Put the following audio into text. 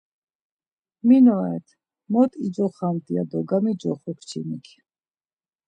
Min oret, mot icoxamt ya do gamicoxu kçinik.